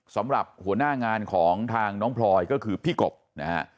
สำหรับหัวหน้างานของทางน้องพลอยก็คือพี่กบนะฮะ